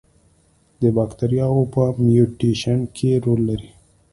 د باکتریاوو په میوټیشن کې رول لري.